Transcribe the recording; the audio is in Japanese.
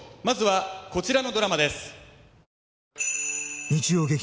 まずはこちらのドラマです